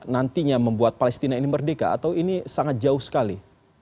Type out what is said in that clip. nantinya membuat palestina ini merdeka atau ini sangat jauh sekali